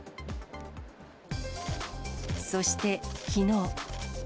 そしてきのう。